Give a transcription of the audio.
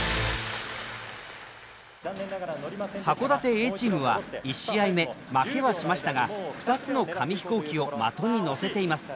函館Ａチームは１試合目負けはしましたが２つの紙飛行機を的に乗せています。